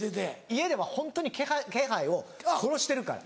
家ではホントに気配を殺してるから。